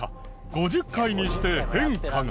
５０回にして変化が。